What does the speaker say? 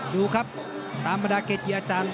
ดูครับตามบรรดาเกจิอาจารย์